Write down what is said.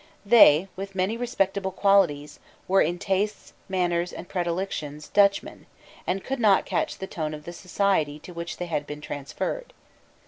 They, with many respectable qualities, were, in tastes, manners, and predilections, Dutchmen, and could not catch the tone of the society to which they had been transferred.